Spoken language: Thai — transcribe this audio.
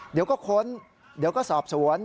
เดี๋ยวก็ค้นเดี๋ยวก็สอบสวน